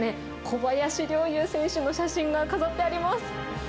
小林陵侑選手の写真が飾ってあります。